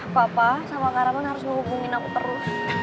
papa sama karaman harus menghubungi aku terus